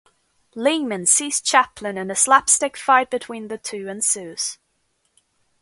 Lehman sees Chaplin and a slapstick fight between the two ensues.